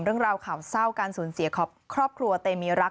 เรื่องราวข่าวเศร้าการสูญเสียครอบครัวเตมีรัก